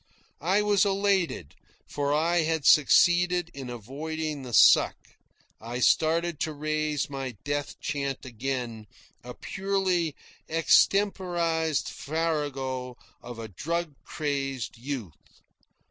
I was elated, for I had succeeded in avoiding the suck. I started to raise my death chant again a purely extemporised farrago of a drug crazed youth.